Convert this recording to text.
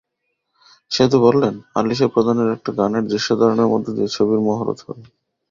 সেতু বললেন, আলিশা প্রধানের একটা গানের দৃশ্যধারণের মধ্য দিয়ে ছবির মহরত হবে।